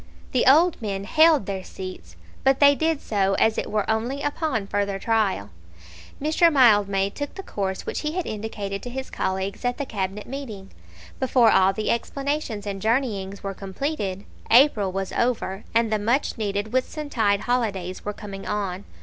The old men held their seats, but they did so as it were only upon further trial. Mr. Mildmay took the course which he had indicated to his colleagues at the Cabinet meeting. Before all the explanations and journeyings were completed, April was over, and the much needed Whitsuntide holidays were coming on.